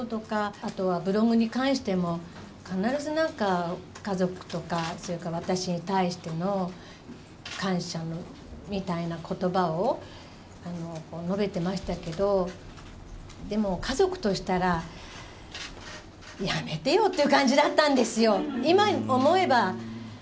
あとはブログに関しても、必ずなんか、家族とかそれから私に対しての感謝みたいなことばを述べてましたけど、でも家族としたら、やめてよって感じだったんですよ、今思えば。